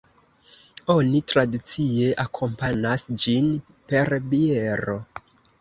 Oni tradicie akompanas ĝin per biero.